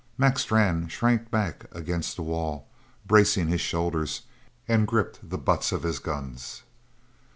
Mac Strann shrank back against the wall, bracing his shoulders, and gripped the butts of his guns.